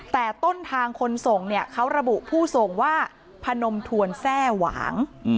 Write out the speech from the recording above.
แต่ต้นทางคนส่งเนี่ยเขาระบุผู้ส่งว่าพนมทวนแทร่หวาง